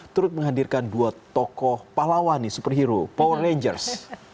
turut menghadirkan dua tokoh pahlawani superhero power rangers